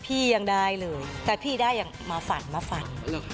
ยังได้เลยแต่พี่ได้ยังมาฝันมาฝัน